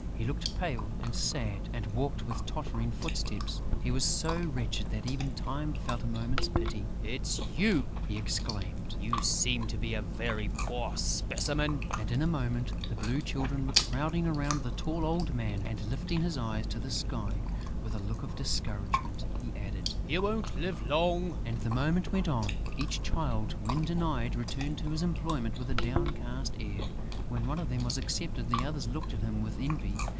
He looked pale and sad and walked with tottering footsteps; he was so wretched that even Time felt a moment's pity: "It's you!" he exclaimed. "You seem a very poor specimen!" [Illustration: And, in a moment, the Blue Children were crowding round the tall old man] And, lifting his eyes to the sky, with a look of discouragement, he added: "You won't live long!" And the movement went on. Each Child, when denied, returned to his employment with a downcast air. When one of them was accepted, the others looked at him with envy.